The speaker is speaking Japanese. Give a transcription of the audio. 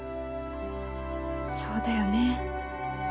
そうだよね。